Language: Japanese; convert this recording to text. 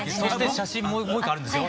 写真もう１個あるんですよ。